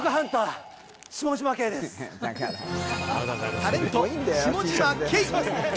タレント・下嶋兄。